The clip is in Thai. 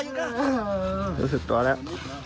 รู้สึกตัวแล้ว